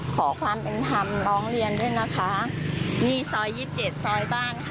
ขอความเป็นธรรมน้องเรียนด้วยนะคะนี่ซอย๒๗ซอยบ้างค่ะ